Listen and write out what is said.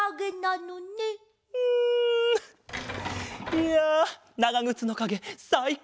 いやながぐつのかげさいこうだった！